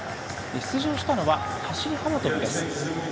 出場したのは走り幅跳びです。